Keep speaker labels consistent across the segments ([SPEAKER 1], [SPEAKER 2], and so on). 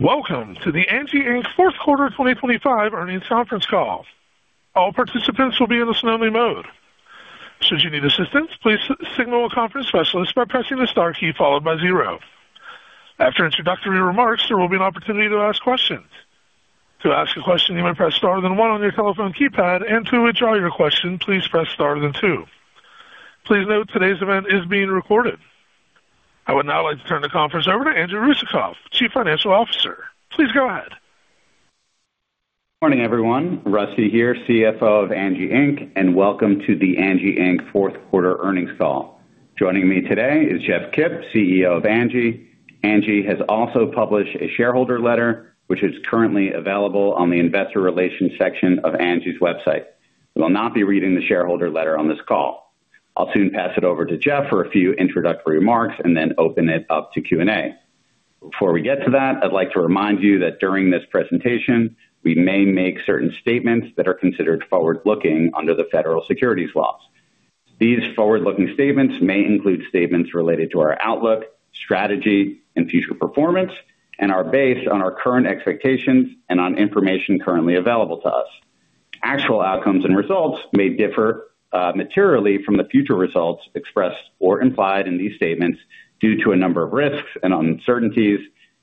[SPEAKER 1] Welcome to the Angi Inc. Fourth Quarter 2025 Earnings Call. All participants will be in a standby mode. Should you need assistance, please signal a conference specialist by pressing the star key followed by zero. After introductory remarks, there will be an opportunity to ask questions. To ask a question, you may press star then one on your telephone keypad, and to withdraw your question, please press star then two. Please note today's event is being recorded. I would now like to turn the conference over to Andrew Russakoff, Chief Financial Officer. Please go ahead.
[SPEAKER 2] Morning, everyone. Russi here, CFO of Angi Inc., and welcome to the Angi Inc. fourth quarter earnings call. Joining me today is Jeff Kip, CEO of Angi. Angi has also published a shareholder letter, which is currently available on the investor relations section of Angi's website. We will not be reading the shareholder letter on this call. I'll soon pass it over to Jeff for a few introductory remarks and then open it up to Q&A. Before we get to that, I'd like to remind you that during this presentation, we may make certain statements that are considered forward-looking under the federal securities laws. These forward-looking statements may include statements related to our outlook, strategy, and future performance, and are based on our current expectations and on information currently available to us. Actual outcomes and results may differ materially from the future results expressed or implied in these statements due to a number of risks and uncertainties,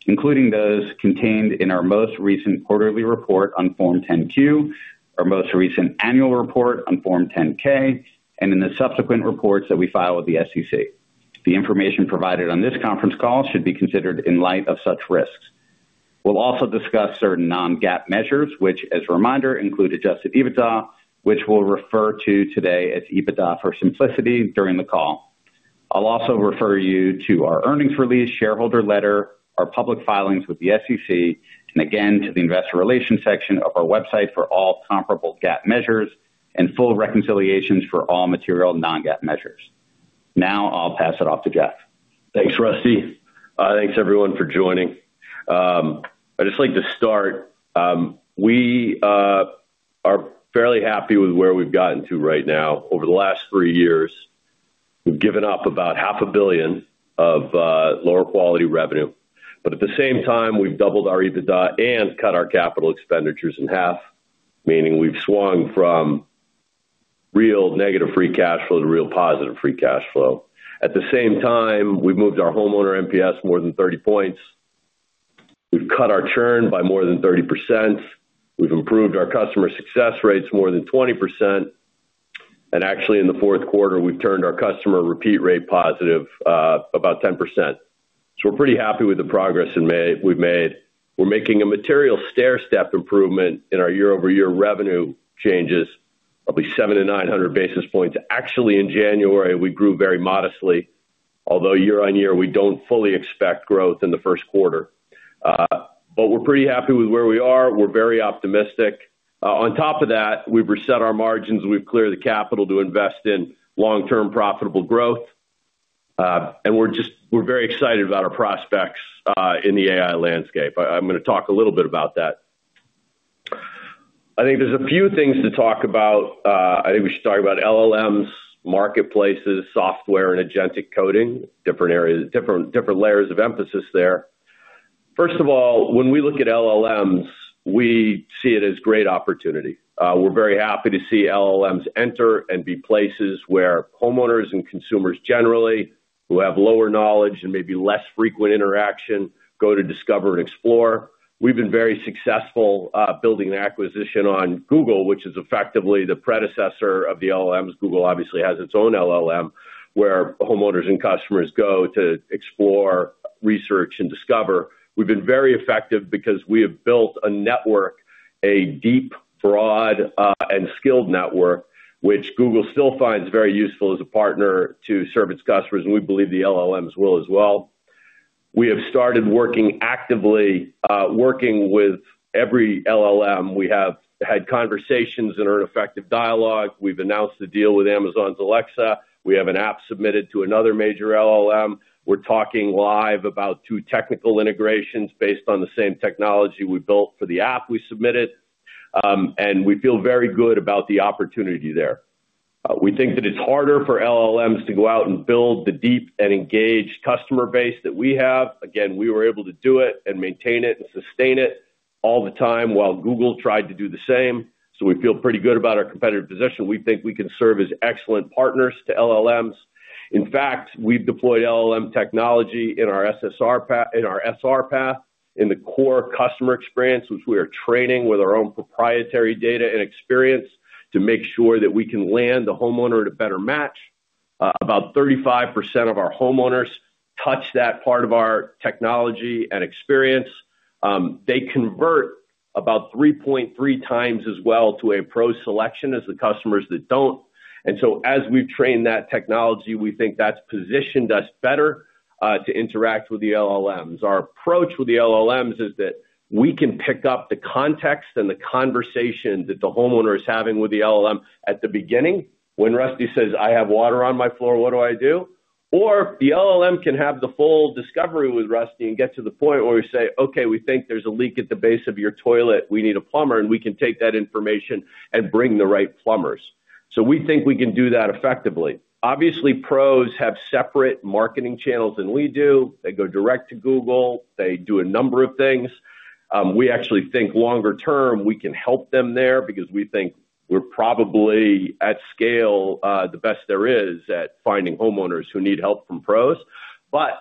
[SPEAKER 2] including those contained in our most recent quarterly report on Form 10-Q, our most recent annual report on Form 10-K, and in the subsequent reports that we file with the SEC. The information provided on this conference call should be considered in light of such risks. We'll also discuss certain non-GAAP measures, which, as a reminder, include Adjusted EBITDA, which we'll refer to today as EBITDA for simplicity during the call. I'll also refer you to our earnings release, shareholder letter, our public filings with the SEC, and again to the investor relations section of our website for all comparable GAAP measures and full reconciliations for all material non-GAAP measures. Now I'll pass it off to Jeff.
[SPEAKER 3] Thanks, Russi. Thanks, everyone, for joining. I'd just like to start. We are fairly happy with where we've gotten to right now. Over the last three years, we've given up about $500 million of lower quality revenue. But at the same time, we've doubled our EBITDA and cut our capital expenditures in half, meaning we've swung from real negative free cash flow to real positive free cash flow. At the same time, we've moved our homeowner NPS more than 30 points. We've cut our churn by more than 30%. We've improved our customer success rates more than 20%. And actually, in the fourth quarter, we've turned our customer repeat rate positive about 10%. So we're pretty happy with the progress we've made. We're making a material stairstep improvement in our year-over-year revenue changes, probably 700-900 basis points. Actually, in January, we grew very modestly, although year-on-year, we don't fully expect growth in the first quarter. But we're pretty happy with where we are. We're very optimistic. On top of that, we've reset our margins. We've cleared the capital to invest in long-term profitable growth. And we're very excited about our prospects in the AI landscape. I'm going to talk a little bit about that. I think there's a few things to talk about. I think we should talk about LLMs, marketplaces, software, and agentic coding, different layers of emphasis there. First of all, when we look at LLMs, we see it as great opportunity. We're very happy to see LLMs enter and be places where homeowners and consumers generally, who have lower knowledge and maybe less frequent interaction, go to discover and explore. We've been very successful building an acquisition on Google, which is effectively the predecessor of the LLMs. Google obviously has its own LLM, where homeowners and customers go to explore, research, and discover. We've been very effective because we have built a network, a deep, broad, and skilled network, which Google still finds very useful as a partner to serve its customers. And we believe the LLMs will as well. We have started actively working with every LLM. We have had conversations and earned effective dialogue. We've announced a deal with Amazon's Alexa. We have an app submitted to another major LLM. We're talking live about two technical integrations based on the same technology we built for the app we submitted. And we feel very good about the opportunity there. We think that it's harder for LLMs to go out and build the deep and engaged customer base that we have. Again, we were able to do it and maintain it and sustain it all the time while Google tried to do the same. So we feel pretty good about our competitive position. We think we can serve as excellent partners to LLMs. In fact, we've deployed LLM technology in our SR path, in the core customer experience, which we are training with our own proprietary data and experience to make sure that we can land the homeowner in a better match. About 35% of our homeowners touch that part of our technology and experience. They convert about 3.3 times as well to a pro selection as the customers that don't. And so as we've trained that technology, we think that's positioned us better to interact with the LLMs. Our approach with the LLMs is that we can pick up the context and the conversation that the homeowner is having with the LLM at the beginning. When Russi says, "I have water on my floor, what do I do?" Or the LLM can have the full discovery with Russi and get to the point where we say, "Okay, we think there's a leak at the base of your toilet. We need a plumber." And we can take that information and bring the right plumbers. So we think we can do that effectively. Obviously, pros have separate marketing channels than we do. They go direct to Google. They do a number of things. We actually think longer term, we can help them there because we think we're probably at scale the best there is at finding homeowners who need help from pros. But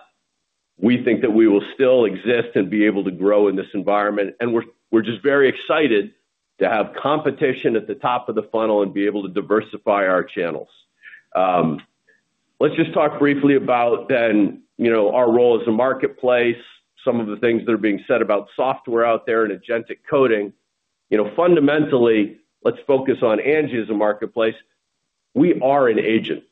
[SPEAKER 3] we think that we will still exist and be able to grow in this environment. And we're just very excited to have competition at the top of the funnel and be able to diversify our channels. Let's just talk briefly about then our role as a marketplace, some of the things that are being said about software out there and agentic coding. Fundamentally, let's focus on Angi as a marketplace. We are an agent.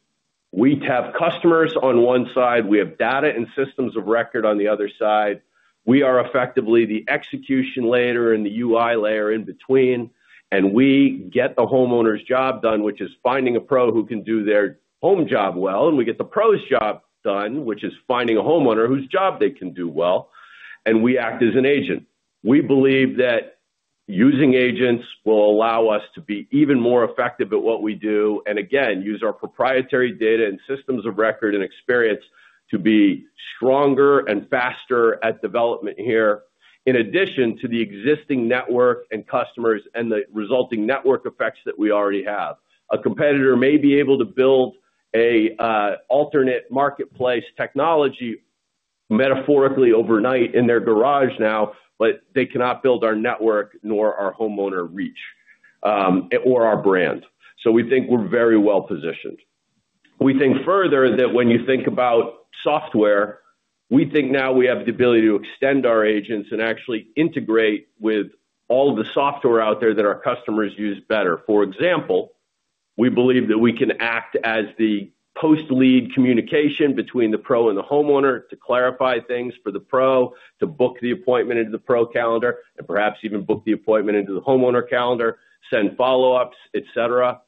[SPEAKER 3] We have customers on one side. We have data and systems of record on the other side. We are effectively the execution layer and the UI layer in between. And we get the homeowner's job done, which is finding a pro who can do their home job well. And we get the pro's job done, which is finding a homeowner whose job they can do well. And we act as an agent. We believe that using agents will allow us to be even more effective at what we do and, again, use our proprietary data and systems of record and experience to be stronger and faster at development here, in addition to the existing network and customers and the resulting network effects that we already have. A competitor may be able to build an alternate marketplace technology, metaphorically, overnight in their garage now, but they cannot build our network nor our homeowner reach or our brand. So we think we're very well positioned. We think further that when you think about software, we think now we have the ability to extend our agents and actually integrate with all of the software out there that our customers use better. For example, we believe that we can act as the post-lead communication between the pro and the homeowner to clarify things for the pro, to book the appointment into the pro calendar, and perhaps even book the appointment into the homeowner calendar, send follow-ups, etc.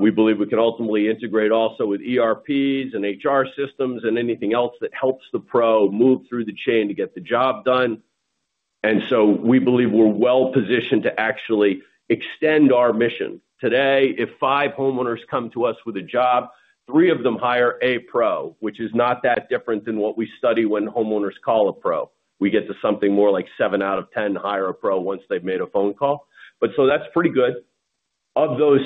[SPEAKER 3] We believe we can ultimately integrate also with ERPs and HR systems and anything else that helps the pro move through the chain to get the job done. And so we believe we're well positioned to actually extend our mission. Today, if five homeowners come to us with a job, three of them hire a pro, which is not that different than what we study when homeowners call a pro. We get to something more like like seven out of 10 hire a pro once they've made a phone call. But so that's pretty good. Of those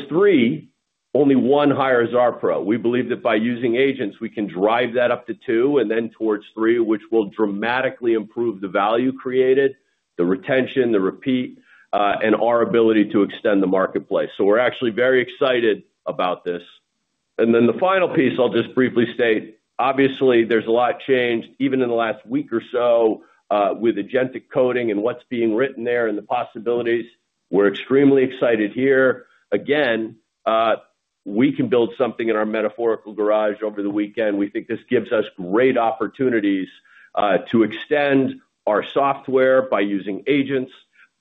[SPEAKER 3] three, only one hires our pro. We believe that by using agents, we can drive that up to two and then towards three, which will dramatically improve the value created, the retention, the repeat, and our ability to extend the marketplace. So we're actually very excited about this. And then the final piece, I'll just briefly state, obviously, there's a lot changed, even in the last week or so, with Agentic Coding and what's being written there and the possibilities. We're extremely excited here. Again, we can build something in our metaphorical garage over the weekend. We think this gives us great opportunities to extend our software by using agents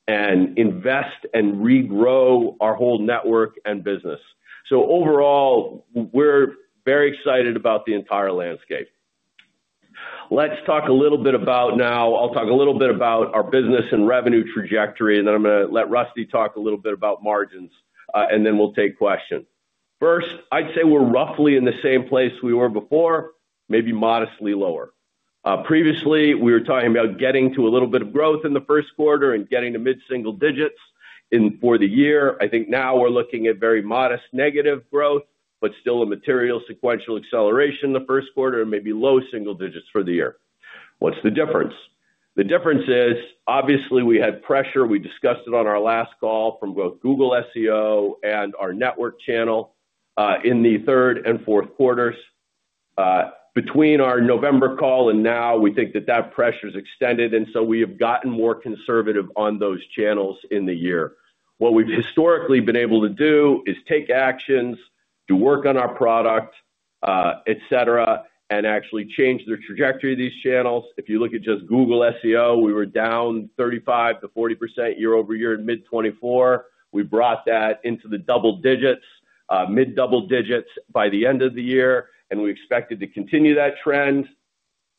[SPEAKER 3] and invest and regrow our whole network and business. So overall, we're very excited about the entire landscape. Let's talk a little bit about now. I'll talk a little bit about our business and revenue trajectory, and then I'm going to let Russi talk a little bit about margins, and then we'll take questions. First, I'd say we're roughly in the same place we were before, maybe modestly lower. Previously, we were talking about getting to a little bit of growth in the first quarter and getting to mid-single digits for the year. I think now we're looking at very modest negative growth, but still a material sequential acceleration in the first quarter and maybe low single digits for the year. What's the difference? The difference is, obviously, we had pressure. We discussed it on our last call from both Google SEO and our network channel in the third and fourth quarters. Between our November call and now, we think that that pressure is extended. So we have gotten more conservative on those channels in the year. What we've historically been able to do is take actions, do work on our product, etc., and actually change the trajectory of these channels. If you look at just Google SEO, we were down 35%-40% year-over-year in mid-2024. We brought that into the double digits, mid-double digits by the end of the year. We expected to continue that trend.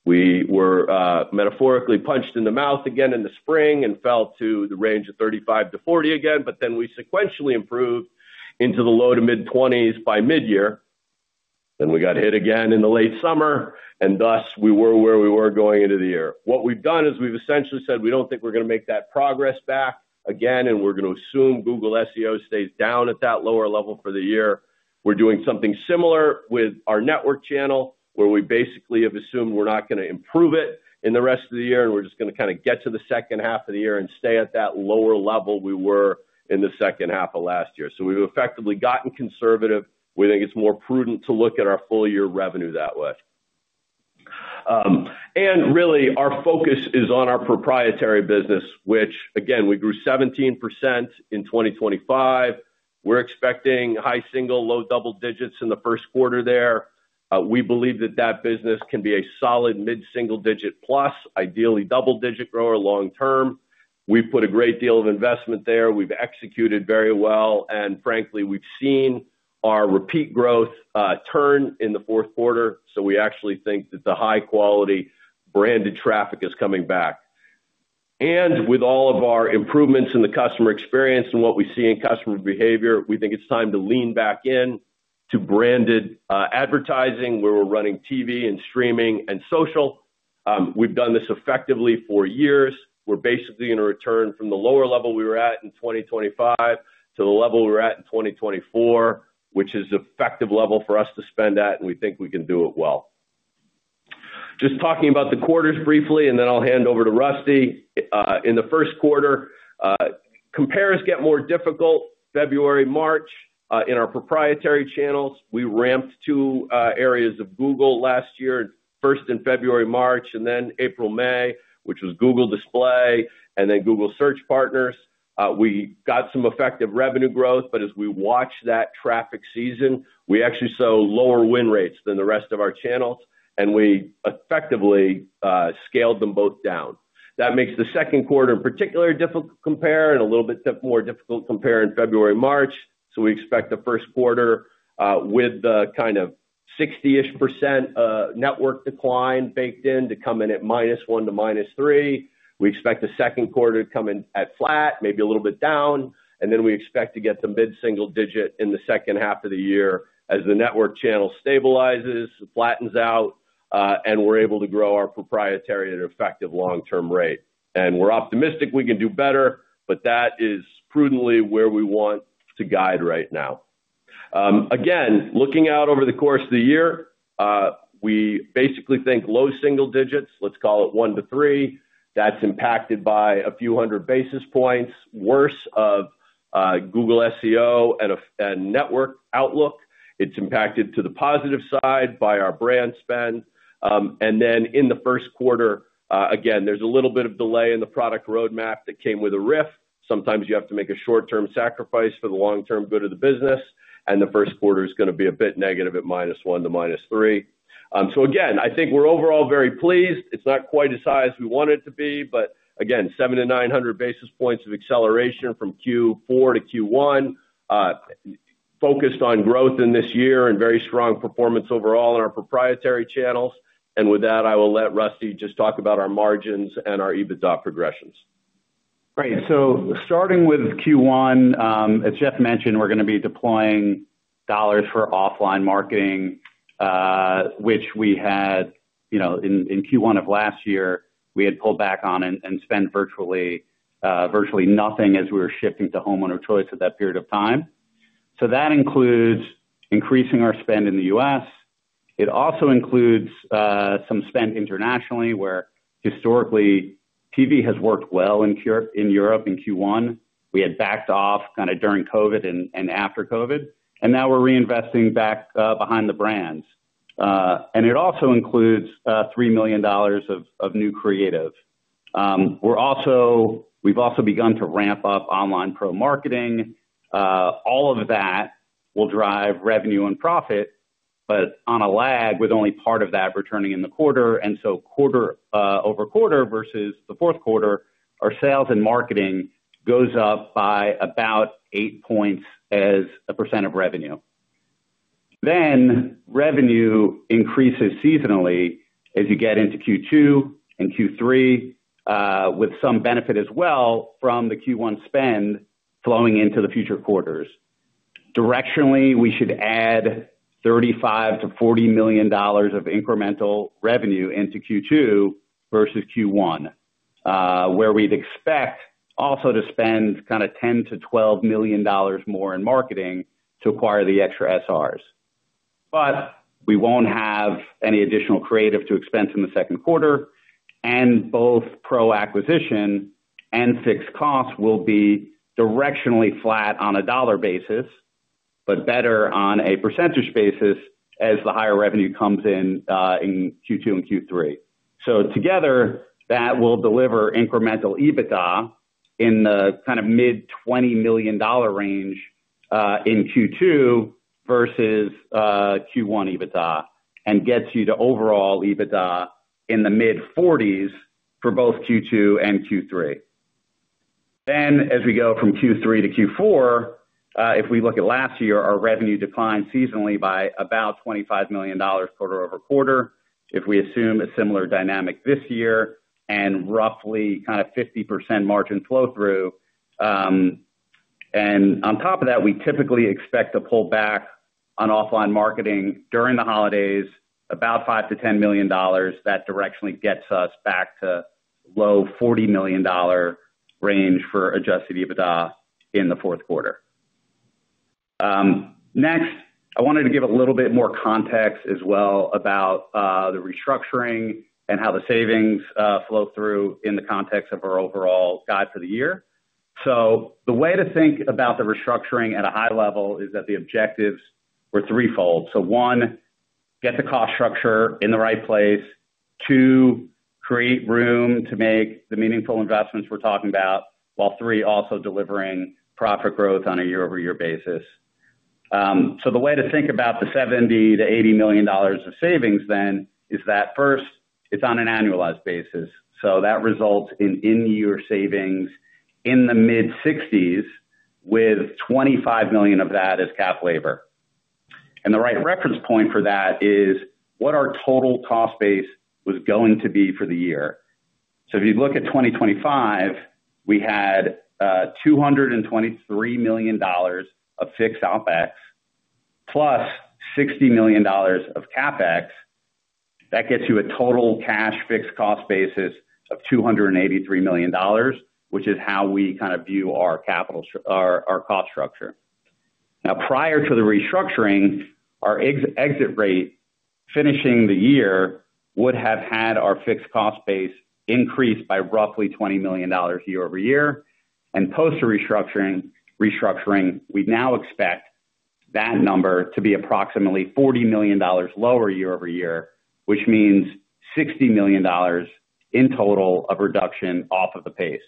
[SPEAKER 3] We were metaphorically punched in the mouth again in the spring and fell to the range of 35%-40% again. Then we sequentially improved into the low- to mid-20s by mid-year. Then we got hit again in the late summer. Thus, we were where we were going into the year. What we've done is we've essentially said we don't think we're going to make that progress back again. We're going to assume Google SEO stays down at that lower level for the year. We're doing something similar with our network channel, where we basically have assumed we're not going to improve it in the rest of the year. We're just going to kind of get to the second half of the year and stay at that lower level we were in the second half of last year. So we've effectively gotten conservative. We think it's more prudent to look at our full-year revenue that way. Really, our focus is on our proprietary business, which, again, we grew 17% in 2025. We're expecting high single, low double digits in the first quarter there. We believe that that business can be a solid mid-single-digit plus, ideally double-digit grower long term. We've put a great deal of investment there. We've executed very well. Frankly, we've seen our repeat growth turn in the fourth quarter. We actually think that the high-quality branded traffic is coming back. With all of our improvements in the customer experience and what we see in customer behavior, we think it's time to lean back in to branded advertising, where we're running TV and streaming and social. We've done this effectively for years. We're basically going to return from the lower level we were at in 2025 to the level we were at in 2024, which is an effective level for us to spend at. We think we can do it well. Just talking about the quarters briefly, and then I'll hand over to Russi. In the first quarter, compares get more difficult, February, March. In our proprietary channels, we ramped two areas of Google last year, first in February, March, and then April, May, which was Google Display and then Google Search Partners. We got some effective revenue growth. But as we watch that traffic season, we actually saw lower win rates than the rest of our channels. And we effectively scaled them both down. That makes the second quarter in particular difficult compare and a little bit more difficult compare in February, March. So we expect the first quarter with the kind of 60-ish% network decline baked in to come in at -1% to -3%. We expect the second quarter to come in at flat, maybe a little bit down. And then we expect to get to mid-single-digit in the second half of the year as the network channel stabilizes, flattens out, and we're able to grow our proprietary and effective long-term rate. We're optimistic we can do better. But that is prudently where we want to guide right now. Again, looking out over the course of the year, we basically think low single digits, let's call it 1-3, that's impacted by a few hundred basis points worse of Google SEO and network outlook. It's impacted to the positive side by our brand spend. And then in the first quarter, again, there's a little bit of delay in the product roadmap that came with a RIF. Sometimes you have to make a short-term sacrifice for the long-term good of the business. The first quarter is going to be a bit negative at -1% to -3%. Again, I think we're overall very pleased. It's not quite as high as we wanted it to be. Again, 700-900 basis points of acceleration from Q4 to Q1, focused on growth in this year and very strong performance overall in our proprietary channels. With that, I will let Russi just talk about our margins and our EBITDA progressions.
[SPEAKER 2] Great. So starting with Q1, as Jeff mentioned, we're going to be deploying dollars for offline marketing, which we had in Q1 of last year, we had pulled back on and spent virtually nothing as we were shifting to Homeowner Choice at that period of time. So that includes increasing our spend in the U.S. It also includes some spend internationally, where historically, TV has worked well in Europe in Q1. We had backed off kind of during COVID and after COVID. And now we're reinvesting back behind the brands. And it also includes $3 million of new creative. We've also begun to ramp up online pro marketing. All of that will drive revenue and profit, but on a lag with only part of that returning in the quarter. So quarter-over-quarter versus the fourth quarter, our sales and marketing goes up by about eight points as a percent of revenue. Then revenue increases seasonally as you get into Q2 and Q3, with some benefit as well from the Q1 spend flowing into the future quarters. Directionally, we should add $35-$40 million of incremental revenue into Q2 versus Q1, where we'd expect also to spend kind of $10-$12 million more in marketing to acquire the extra SRs. But we won't have any additional creative to expense in the second quarter. Both pro acquisition and fixed costs will be directionally flat on a dollar basis, but better on a percentage basis as the higher revenue comes in in Q2 and Q3. So together, that will deliver incremental EBITDA in the kind of mid-$20 million range in Q2 versus Q1 EBITDA and gets you to overall EBITDA in the mid-40s for both Q2 and Q3. Then as we go from Q3 to Q4, if we look at last year, our revenue declined seasonally by about $25 million quarter over quarter, if we assume a similar dynamic this year and roughly kind of 50% margin flow-through. And on top of that, we typically expect to pull back on offline marketing during the holidays, about $5-$10 million. That directionally gets us back to low $40 million range for adjusted EBITDA in the fourth quarter. Next, I wanted to give a little bit more context as well about the restructuring and how the savings flow through in the context of our overall guide for the year. So the way to think about the restructuring at a high level is that the objectives were threefold. So one, get the cost structure in the right place. Two, create room to make the meaningful investments we're talking about. While three, also delivering profit growth on a year-over-year basis. So the way to think about the $70-$80 million of savings then is that first, it's on an annualized basis. So that results in in-year savings in the mid-60s, with $25 million of that as cap labor. And the right reference point for that is what our total cost base was going to be for the year. So if you look at 2025, we had $223 million of fixed OpEx plus $60 million of CapEx. That gets you a total cash fixed cost basis of $283 million, which is how we kind of view our cost structure. Now, prior to the restructuring, our exit rate finishing the year would have had our fixed cost base increased by roughly $20 million year-over-year. Post the restructuring, we now expect that number to be approximately $40 million lower year-over-year, which means $60 million in total of reduction off of the pace.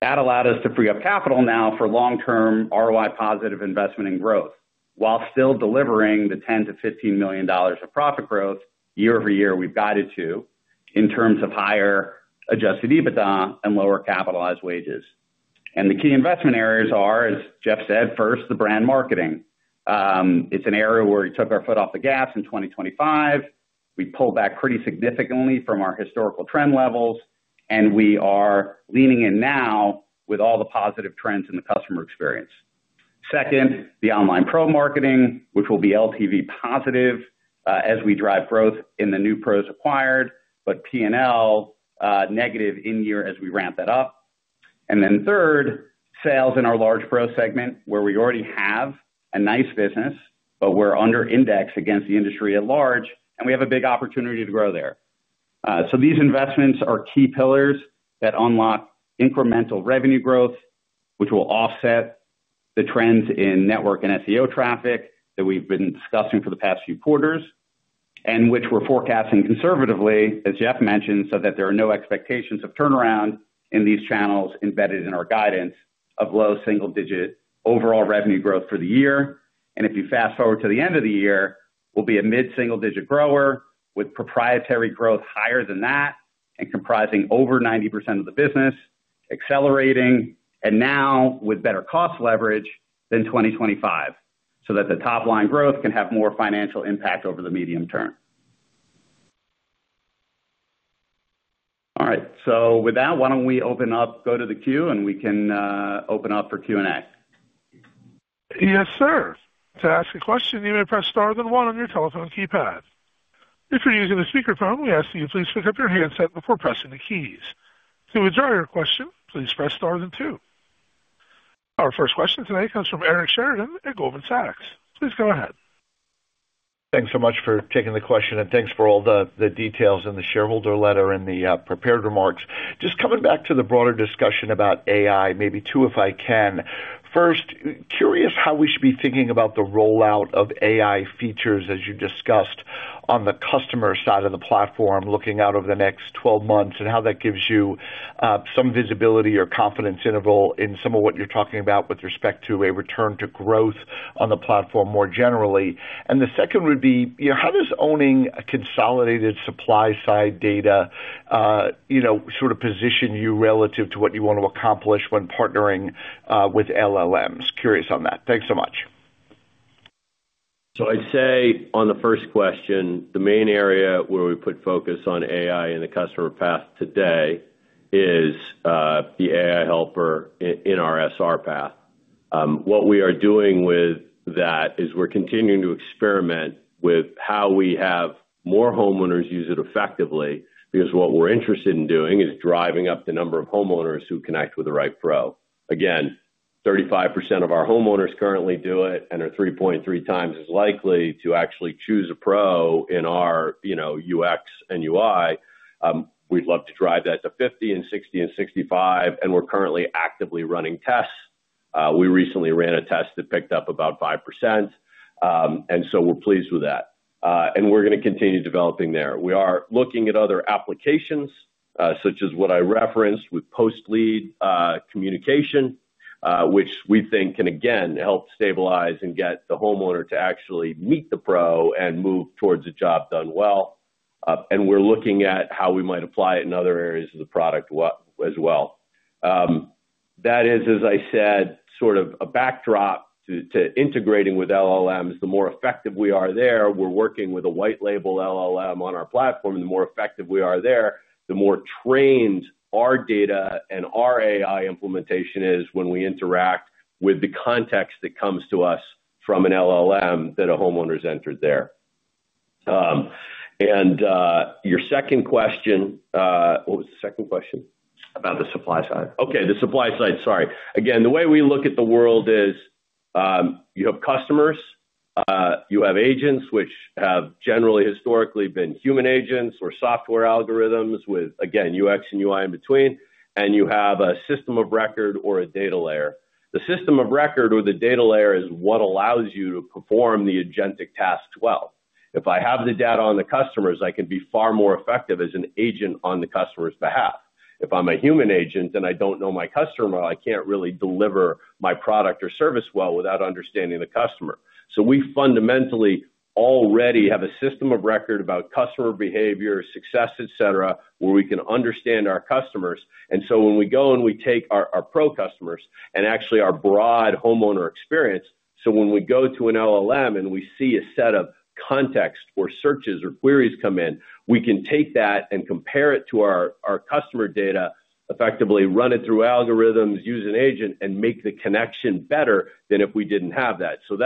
[SPEAKER 2] That allowed us to free up capital now for long-term ROI-positive investment and growth, while still delivering the $10-$15 million of profit growth year-over-year we've guided to in terms of higher Adjusted EBITDA and lower capitalized wages. The key investment areas are, as Jeff said, first, the brand marketing. It's an area where we took our foot off the gas in 2025. We pulled back pretty significantly from our historical trend levels. We are leaning in now with all the positive trends in the customer experience. Second, the online pro marketing, which will be LTV positive as we drive growth in the new pros acquired, but P&L negative in-year as we ramp that up. And then third, sales in our large pro segment, where we already have a nice business, but we're underindexed against the industry at large. And we have a big opportunity to grow there. So these investments are key pillars that unlock incremental revenue growth, which will offset the trends in network and SEO traffic that we've been discussing for the past few quarters and which we're forecasting conservatively, as Jeff mentioned, so that there are no expectations of turnaround in these channels embedded in our guidance of low single-digit overall revenue growth for the year. If you fast forward to the end of the year, we'll be a mid-single-digit grower with proprietary growth higher than that and comprising over 90% of the business, accelerating, and now with better cost leverage than 2025 so that the top-line growth can have more financial impact over the medium term. All right. So with that, why don't we open up the queue, and we can open up for Q&A.
[SPEAKER 1] Yes, sir. To ask a question, you may press star then one on your telephone keypad. If you're using a speakerphone, we ask that you please pick up your handset before pressing the keys. To adjust your question, please press star then two. Our first question today comes from Eric Sheridan at Goldman Sachs. Please go ahead.
[SPEAKER 4] Thanks so much for taking the question. And thanks for all the details in the shareholder letter and the prepared remarks. Just coming back to the broader discussion about AI, maybe two if I can. First, curious how we should be thinking about the rollout of AI features, as you discussed, on the customer side of the platform looking out over the next 12 months and how that gives you some visibility or confidence interval in some of what you're talking about with respect to a return to growth on the platform more generally. And the second would be, how does owning consolidated supply-side data sort of position you relative to what you want to accomplish when partnering with LLMs? Curious on that. Thanks so much.
[SPEAKER 3] So I'd say on the first question, the main area where we put focus on AI in the customer path today is the AI helper in our SR path. What we are doing with that is we're continuing to experiment with how we have more homeowners use it effectively because what we're interested in doing is driving up the number of homeowners who connect with the right pro. Again, 35% of our homeowners currently do it and are 3.3 times as likely to actually choose a pro in our UX and UI. We'd love to drive that to 50% and 60% and 65%. And we're currently actively running tests. We recently ran a test that picked up about 5%. And so we're pleased with that. And we're going to continue developing there. We are looking at other applications such as what I referenced with post-lead communication, which we think can, again, help stabilize and get the homeowner to actually meet the pro and move towards a job done well. And we're looking at how we might apply it in other areas of the product as well. That is, as I said, sort of a backdrop to integrating with LLMs. The more effective we are there, we're working with a white-label LLM on our platform. And the more effective we are there, the more trained our data and our AI implementation is when we interact with the context that comes to us from an LLM that a homeowner has entered there. And your second question? What was the second question?
[SPEAKER 4] About the supply side.
[SPEAKER 3] Okay, the supply side. Sorry. Again, the way we look at the world is you have customers. You have agents, which have generally historically been human agents or software algorithms with, again, UX and UI in between. And you have a system of record or a data layer. The system of record or the data layer is what allows you to perform the agentic task well. If I have the data on the customers, I can be far more effective as an agent on the customer's behalf. If I'm a human agent and I don't know my customer, I can't really deliver my product or service well without understanding the customer. So we fundamentally already have a system of record about customer behavior, success, etc., where we can understand our customers. And so when we go and we take our pro customers and actually our broad homeowner experience, so when we go to an LLM and we see a set of context or searches or queries come in, we can take that and compare it to our customer data, effectively run it through algorithms, use an agent, and make the connection better than if we didn't have that. So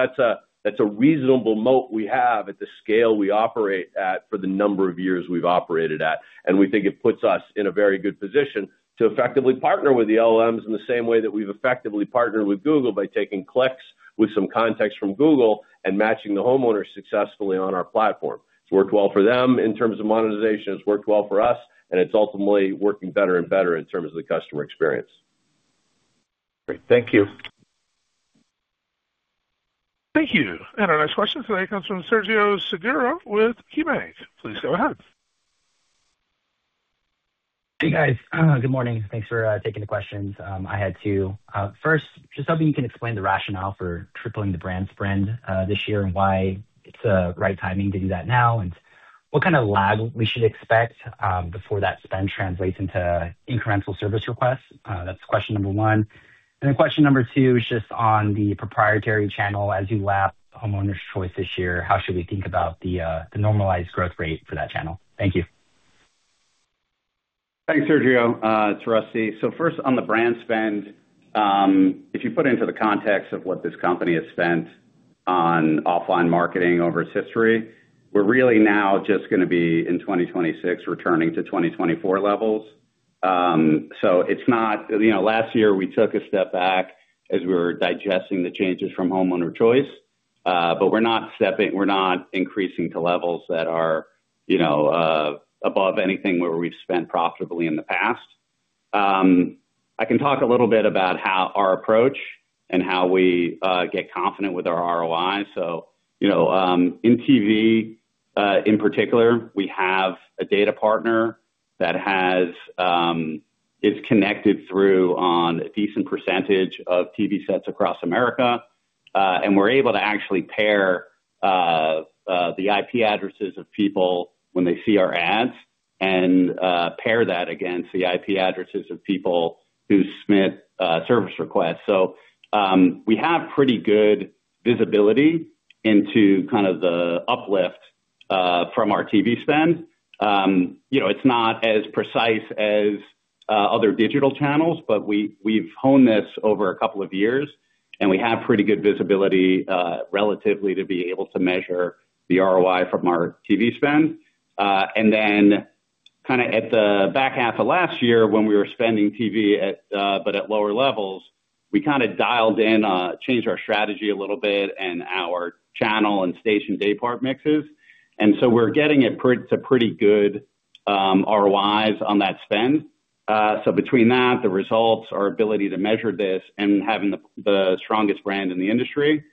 [SPEAKER 3] that's a reasonable moat we have at the scale we operate at for the number of years we've operated at. And we think it puts us in a very good position to effectively partner with the LLMs in the same way that we've effectively partnered with Google by taking clicks with some context from Google and matching the homeowner successfully on our platform. It's worked well for them in terms of monetization. It's worked well for us. It's ultimately working better and better in terms of the customer experience.
[SPEAKER 4] Great. Thank you.
[SPEAKER 1] Thank you. And our next question today comes from Sergio Segura with KeyBanc. Please go ahead.
[SPEAKER 5] Hey, guys. Good morning. Thanks for taking the questions. I had two. First, just hoping you can explain the rationale for tripling the brand spend this year and why it's the right timing to do that now and what kind of lag we should expect before that spend translates into incremental service requests. That's question number one. And then question number two is just on the proprietary channel, as you lap homeowners' choice this year, how should we think about the normalized growth rate for that channel? Thank you.
[SPEAKER 2] Thanks, Sergio. It's Russi. So first, on the brand spend, if you put it into the context of what this company has spent on offline marketing over its history, we're really now just going to be, in 2026, returning to 2024 levels. So it's not last year, we took a step back as we were digesting the changes from Homeowner Choice. But we're not stepping we're not increasing to levels that are above anything where we've spent profitably in the past. I can talk a little bit about our approach and how we get confident with our ROI. So in TV, in particular, we have a data partner that is connected through on a decent percentage of TV sets across America. And we're able to actually pair the IP addresses of people when they see our ads and pair that against the IP addresses of people who submit service requests. So we have pretty good visibility into kind of the uplift from our TV spend. It's not as precise as other digital channels, but we've honed this over a couple of years. And we have pretty good visibility relatively to be able to measure the ROI from our TV spend. And then kind of at the back half of last year, when we were spending TV but at lower levels, we kind of dialed in, changed our strategy a little bit, and our channel and station day-part mixes. And so we're getting it to pretty good ROIs on that spend. So between that, the results, our ability to measure this, and having the strongest brand in the industry,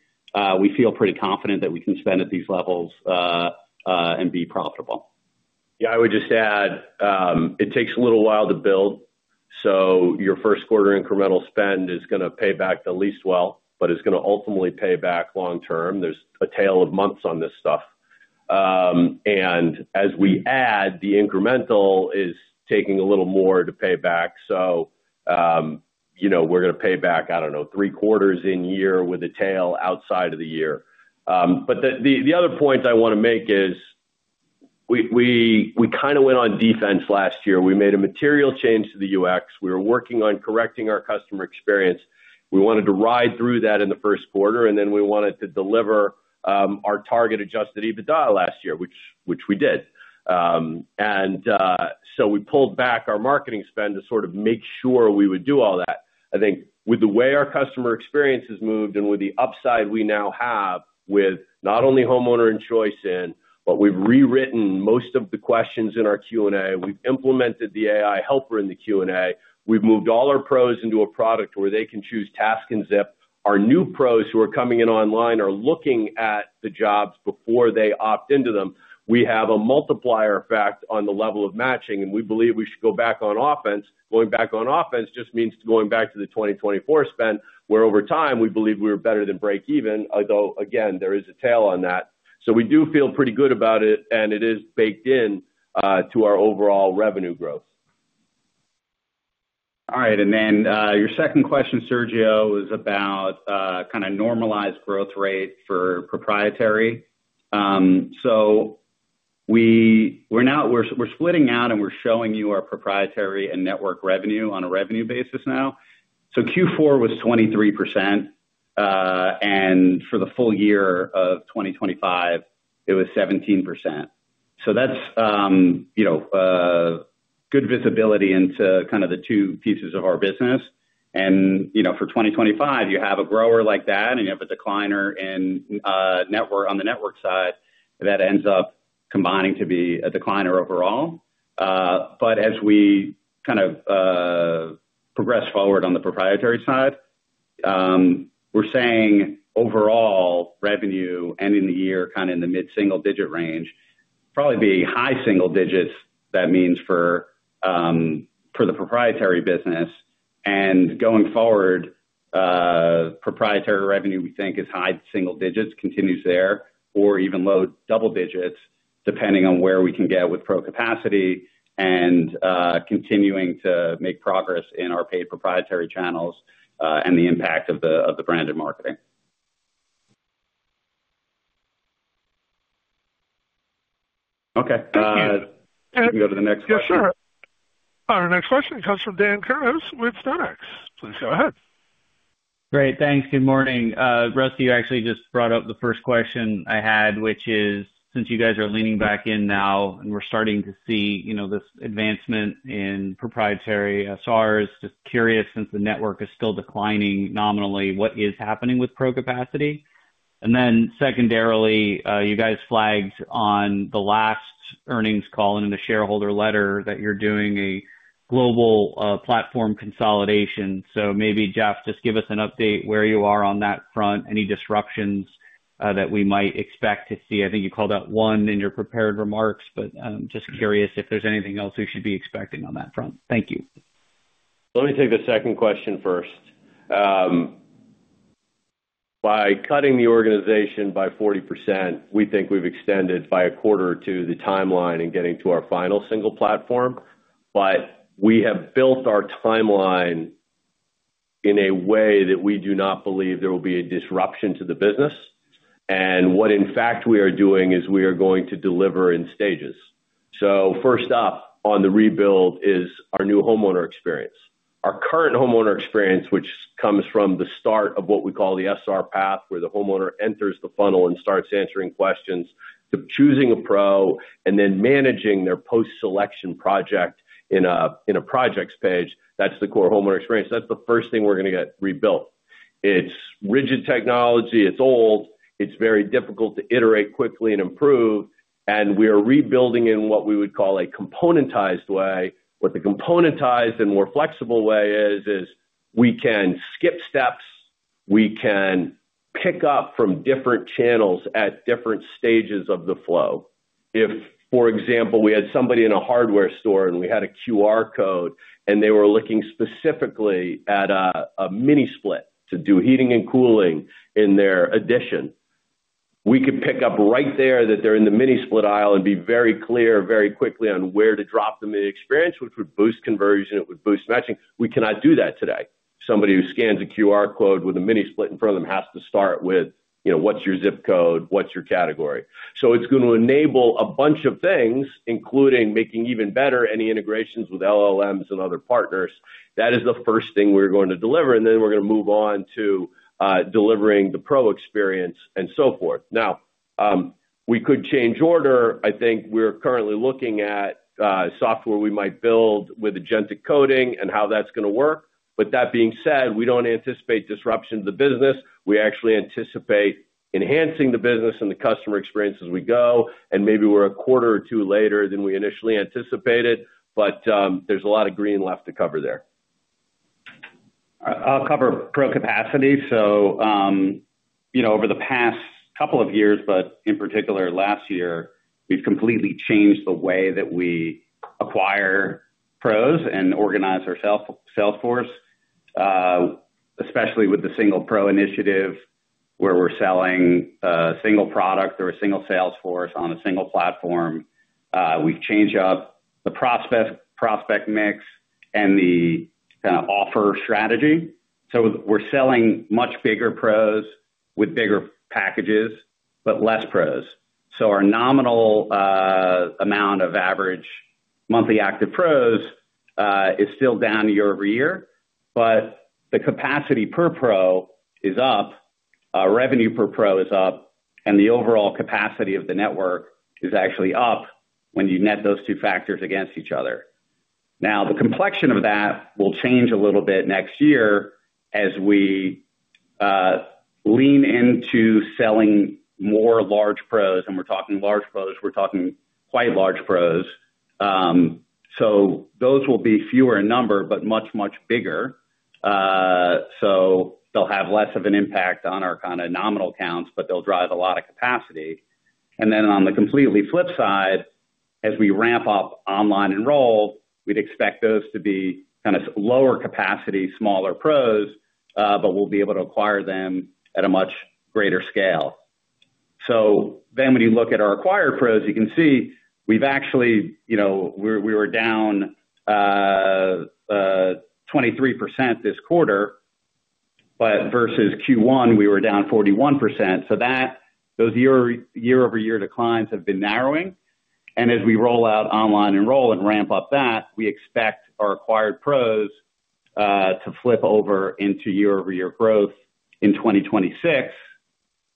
[SPEAKER 2] we feel pretty confident that we can spend at these levels and be profitable.
[SPEAKER 3] Yeah, I would just add it takes a little while to build. So your first-quarter incremental spend is going to pay back the least well, but it's going to ultimately pay back long-term. There's a tail of months on this stuff. And as we add, the incremental is taking a little more to pay back. So we're going to pay back, I don't know, three-quarters in year with a tail outside of the year. But the other point I want to make is we kind of went on defense last year. We made a material change to the UX. We were working on correcting our customer experience. We wanted to ride through that in the first quarter. And then we wanted to deliver our target Adjusted EBITDA last year, which we did. And so we pulled back our marketing spend to sort of make sure we would do all that. I think with the way our customer experience has moved and with the upside we now have with not only Homeowner Choice in, but we've rewritten most of the questions in our Q&A. We've implemented the AI helper in the Q&A. We've moved all our pros into a product where they can choose task and zip. Our new pros who are coming in online are looking at the jobs before they opt into them. We have a multiplier effect on the level of matching. And we believe we should go back on offense. Going back on offense just means going back to the 2024 spend where over time, we believe we were better than break-even, although, again, there is a tail on that. So we do feel pretty good about it. And it is baked into our overall revenue growth.
[SPEAKER 2] All right. And then your second question, Sergio, is about kind of normalized growth rate for proprietary. So we're splitting out, and we're showing you our proprietary and network revenue on a revenue basis now. So Q4 was 23%. And for the full year of 2025, it was 17%. So that's good visibility into kind of the two pieces of our business. And for 2025, you have a grower like that, and you have a decliner on the network side that ends up combining to be a decliner overall. But as we kind of progress forward on the proprietary side, we're saying overall revenue ending the year kind of in the mid-single-digit range, probably be high single digits, that means for the proprietary business. Going forward, proprietary revenue, we think, is high single digits, continues there, or even low double digits, depending on where we can get with pro capacity and continuing to make progress in our paid proprietary channels and the impact of the branded marketing. Okay.
[SPEAKER 5] Thank you.
[SPEAKER 2] You can go to the next question.
[SPEAKER 1] Sure. Our next question comes from Dan Kurnos with StoneX. Please go ahead.
[SPEAKER 6] Great. Thanks. Good morning. Rusty, you actually just brought up the first question I had, which is since you guys are leaning back in now and we're starting to see this advancement in proprietary SRs, just curious since the network is still declining nominally, what is happening with pro capacity? And then secondarily, you guys flagged on the last earnings call and in the shareholder letter that you're doing a global platform consolidation. So maybe, Jeff, just give us an update where you are on that front, any disruptions that we might expect to see? I think you called out one in your prepared remarks, but just curious if there's anything else we should be expecting on that front? Thank you.
[SPEAKER 3] Let me take the second question first. By cutting the organization by 40%, we think we've extended by a quarter to the timeline in getting to our final single platform. But we have built our timeline in a way that we do not believe there will be a disruption to the business. And what, in fact, we are doing is we are going to deliver in stages. So first up on the rebuild is our new homeowner experience, our current homeowner experience, which comes from the start of what we call the SR path where the homeowner enters the funnel and starts answering questions, choosing a pro, and then managing their post-selection project in a projects page. That's the core homeowner experience. That's the first thing we're going to get rebuilt. It's rigid technology. It's old. It's very difficult to iterate quickly and improve. And we are rebuilding in what we would call a componentized way. What the componentized and more flexible way is, is we can skip steps. We can pick up from different channels at different stages of the flow. If, for example, we had somebody in a hardware store, and we had a QR code, and they were looking specifically at a Mini-split to do heating and cooling in their addition, we could pick up right there that they're in the Mini-split aisle and be very clear, very quickly on where to drop them in the experience, which would boost conversion. It would boost matching. We cannot do that today. Somebody who scans a QR code with a Mini-split in front of them has to start with, "What's your zip code? What's your category?" So it's going to enable a bunch of things, including making even better any integrations with LLMs and other partners. That is the first thing we're going to deliver. Then we're going to move on to delivering the pro experience and so forth. Now, we could change order. I think we're currently looking at software we might build with Agentic Coding and how that's going to work. But that being said, we don't anticipate disruption to the business. We actually anticipate enhancing the business and the customer experience as we go. And maybe we're a quarter or two later than we initially anticipated. But there's a lot of green left to cover there.
[SPEAKER 2] I'll cover pro capacity. So over the past couple of years, but in particular, last year, we've completely changed the way that we acquire pros and organize our sales force, especially with the single pro initiative where we're selling a single product or a single sales force on a single platform. We've changed up the prospect mix and the kind of offer strategy. So we're selling much bigger pros with bigger packages but less pros. So our nominal amount of average monthly active pros is still down year-over-year. But the capacity per pro is up. Revenue per pro is up. And the overall capacity of the network is actually up when you net those two factors against each other. Now, the complexion of that will change a little bit next year as we lean into selling more large pros. And we're talking large pros. We're talking quite large pros. So those will be fewer in number but much, much bigger. So they'll have less of an impact on our kind of nominal counts, but they'll drive a lot of capacity. And then on the completely flip side, as we ramp up online enrolled, we'd expect those to be kind of lower capacity, smaller pros, but we'll be able to acquire them at a much greater scale. So then when you look at our acquired pros, you can see we were down 23% this quarter. But versus Q1, we were down 41%. So those year-over-year declines have been narrowing. And as we roll out online enroll and ramp up that, we expect our acquired pros to flip over into year-over-year growth in 2026.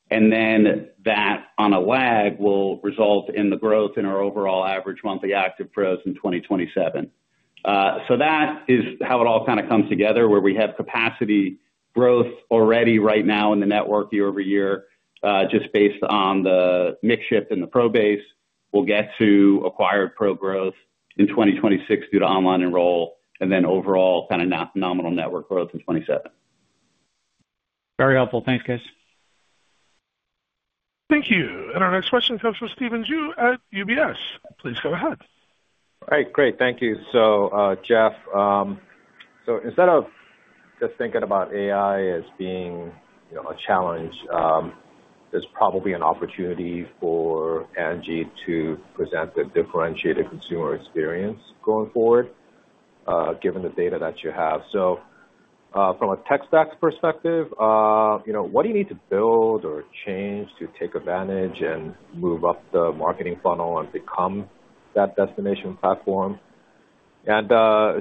[SPEAKER 2] And then that, on a lag, will result in the growth in our overall average monthly active pros in 2027. So that is how it all kind of comes together, where we have capacity growth already right now in the network year over year, just based on the mix-shift in the pro base. We'll get to acquired pro growth in 2026 due to online enroll and then overall kind of nominal network growth in 2027.
[SPEAKER 6] Very helpful. Thanks, guys.
[SPEAKER 1] Thank you. And our next question comes from Stephen Ju at UBS. Please go ahead.
[SPEAKER 7] All right. Great. Thank you. So, Jeff, so instead of just thinking about AI as being a challenge, there's probably an opportunity for Angi to present a differentiated consumer experience going forward given the data that you have. So from a tech stack perspective, what do you need to build or change to take advantage and move up the marketing funnel and become that destination platform? And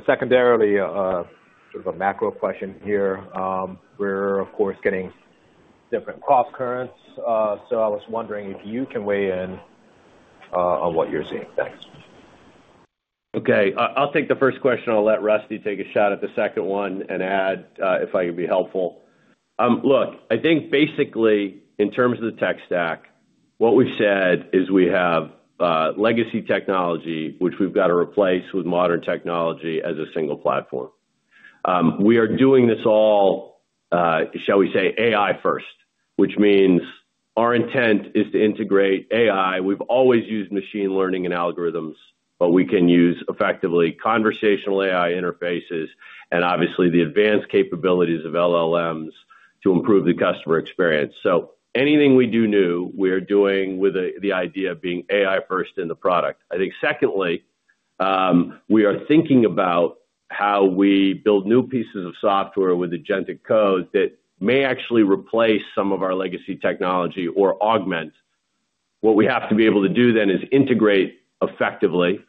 [SPEAKER 7] secondarily, sort of a macro question here. We're, of course, getting different cross-currents. So I was wondering if you can weigh in on what you're seeing. Thanks.
[SPEAKER 3] Okay. I'll take the first question. I'll let Russi take a shot at the second one and add if I can be helpful. Look, I think basically, in terms of the tech stack, what we've said is we have legacy technology, which we've got to replace with modern technology as a single platform. We are doing this all, shall we say, AI-first, which means our intent is to integrate AI. We've always used machine learning and algorithms, but we can use effectively conversational AI interfaces and, obviously, the advanced capabilities of LLMs to improve the customer experience. So anything we do new, we are doing with the idea of being AI-first in the product. I think secondly, we are thinking about how we build new pieces of software with agentic code that may actually replace some of our legacy technology or augment. What we have to be able to do then is integrate effectively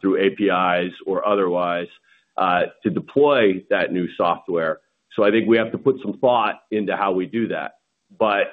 [SPEAKER 3] through APIs or otherwise to deploy that new software. So I think we have to put some thought into how we do that. But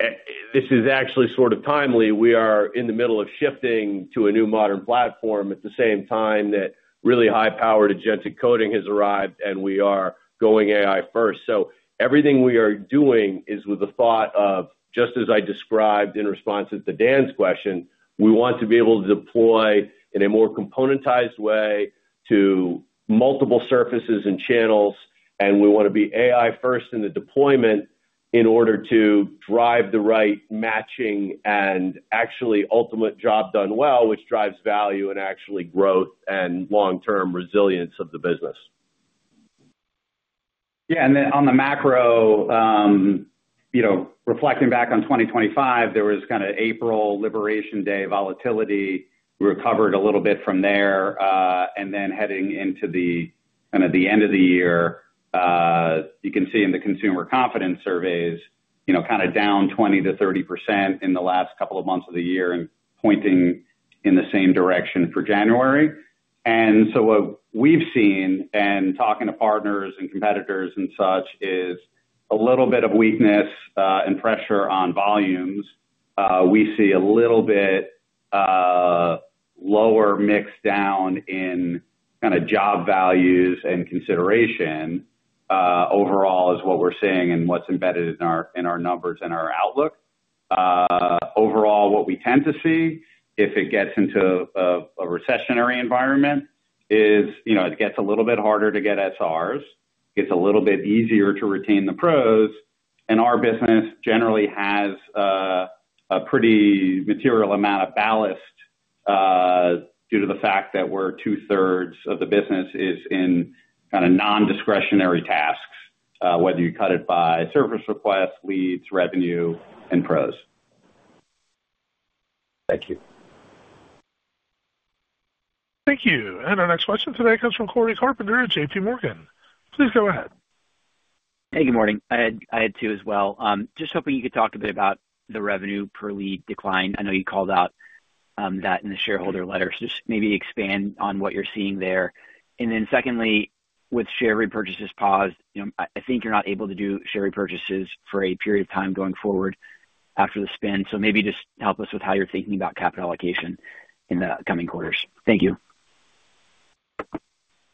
[SPEAKER 3] this is actually sort of timely. We are in the middle of shifting to a new modern platform at the same time that really high-powered agentic coding has arrived, and we are going AI-first. So everything we are doing is with the thought of, just as I described in response to Dan's question, we want to be able to deploy in a more componentized way to multiple surfaces and channels. And we want to be AI-first in the deployment in order to drive the right matching and actually ultimate job done well, which drives value and actually growth and long-term resilience of the business.
[SPEAKER 2] Yeah. Then on the macro, reflecting back on 2025, there was kind of April Liberation Day volatility. We recovered a little bit from there. Then heading into kind of the end of the year, you can see in the consumer confidence surveys kind of down 20%-30% in the last couple of months of the year and pointing in the same direction for January. So what we've seen and talking to partners and competitors and such is a little bit of weakness and pressure on volumes. We see a little bit lower mix down in kind of job values and consideration overall is what we're seeing and what's embedded in our numbers and our outlook. Overall, what we tend to see if it gets into a recessionary environment is it gets a little bit harder to get SRs. It gets a little bit easier to retain the pros. Our business generally has a pretty material amount of ballast due to the fact that two-thirds of the business is in kind of nondiscretionary tasks, whether you cut it by service requests, leads, revenue, and pros. Thank you.
[SPEAKER 1] Thank you. Our next question today comes from Cory Carpenter at J.P. Morgan. Please go ahead.
[SPEAKER 8] Hey. Good morning. I had two as well. Just hoping you could talk a bit about the revenue per lead decline. I know you called out that in the shareholder letter. So just maybe expand on what you're seeing there. And then secondly, with share repurchases paused, I think you're not able to do share repurchases for a period of time going forward after the spin. So maybe just help us with how you're thinking about capital allocation in the coming quarters. Thank you.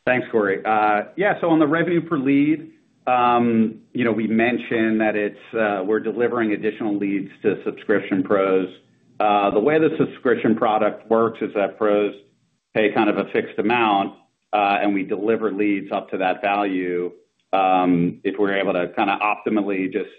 [SPEAKER 2] Thanks, Cory. Yeah. So on the revenue per lead, we mentioned that we're delivering additional leads to subscription pros. The way the subscription product works is that pros pay kind of a fixed amount, and we deliver leads up to that value. If we're able to kind of optimally just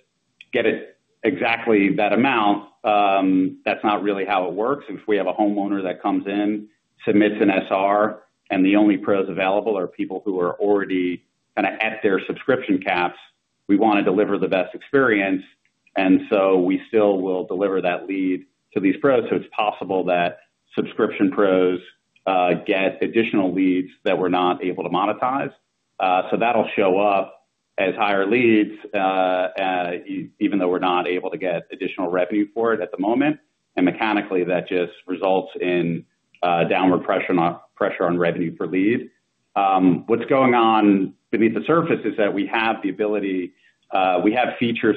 [SPEAKER 2] get it exactly that amount, that's not really how it works. If we have a homeowner that comes in, submits an SR, and the only pros available are people who are already kind of at their subscription caps, we want to deliver the best experience. And so we still will deliver that lead to these pros. So it's possible that subscription pros get additional leads that we're not able to monetize. So that'll show up as higher leads, even though we're not able to get additional revenue for it at the moment. Mechanically, that just results in downward pressure on revenue per lead. What's going on beneath the surface is that we have features